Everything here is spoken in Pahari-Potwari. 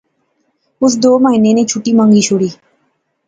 اس دو مہینے نی چُھٹی منگی شوڑی